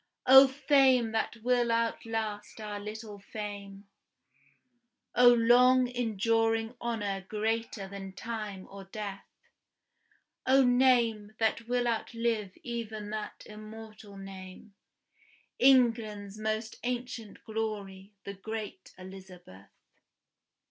O fame that will outlast our little fame! O long enduring honor greater than time or death! O name that will outlive even that immortal name, England's more ancient glory, the great Elizabeth!